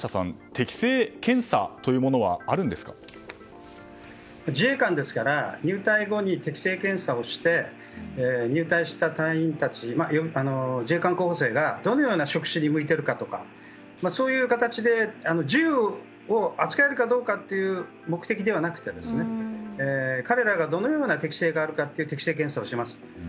適性検査というものは自衛官ですから入隊後に適性検査をして入隊した隊員たち自衛官候補生がどのような職種に向いているかとかという形で銃を扱えるかどうかという目的ではなくて彼らがどのような適性があるかという適性検査をします。